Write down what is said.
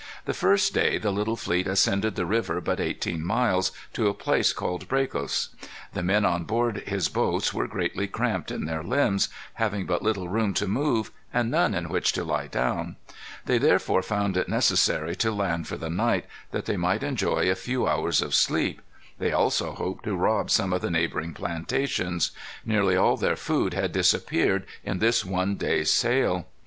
The first day the little fleet ascended the river but eighteen miles, to a place called Bracos. The men on board his boats were greatly cramped in their limbs, having but little room to move, and none in which to lie down. They therefore found it necessary to land for the night, that they might enjoy a few hours of sleep. They also hoped to rob some of the neighboring plantations. Nearly all their food had disappeared in this one day's sail.